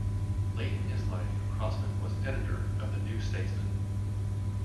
Late in his life, Crossman was editor of the "New Statesman".